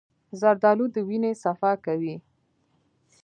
زردالو د وینې صفا کوي.